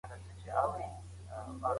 د سړیو سره خواته مقبره کی